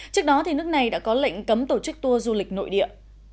trước đó nước này đã có lệnh cấm tổ chức tour du lịch nội địa